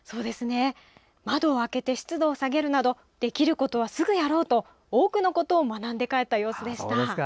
窓を開けて湿度を下げるなどできることは、すぐやろうと多くのことを学んで帰った様子でした。